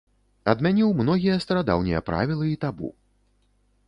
Адмяніў многія старадаўнія правілы і табу.